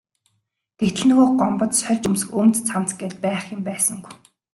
Гэтэл нөгөө Гомбод сольж өмсөх өмд цамц гээд байх юм байсангүй.